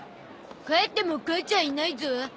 帰っても母ちゃんいないゾ。